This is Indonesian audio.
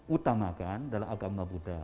utamakan dalam agama buddha